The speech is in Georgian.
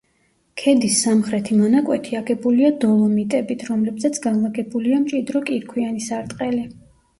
ქედის სამხრეთი მონაკვეთი აგებულია დოლომიტებით, რომლებზეც განლაგებულია მჭიდრო კირქვიანი სარტყელი.